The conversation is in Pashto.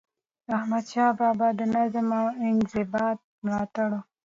احمدشاه بابا د نظم او انضباط ملاتړی و.